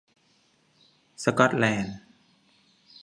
สกอตแลนด์